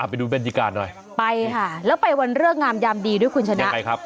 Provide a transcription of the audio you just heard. ไปดูบรรยากาศหน่อยไปค่ะแล้วไปวันเริกงามยามดีด้วยคุณชนะยังไงครับ